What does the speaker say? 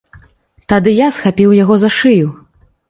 Тады я схапіў яго за шыю.